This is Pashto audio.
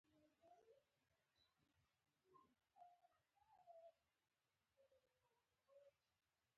د بولان پټي د افغان کلتور په داستانونو کې راځي.